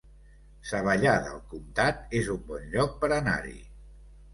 Savallà del Comtat es un bon lloc per anar-hi